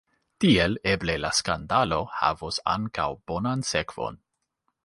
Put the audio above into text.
Tiel eble la skandalo havos ankaŭ bonan sekvon.